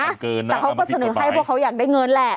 แต่เขาก็เสนอให้พวกเขาอยากได้เงินแหละ